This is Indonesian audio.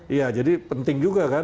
iya jadi penting juga kan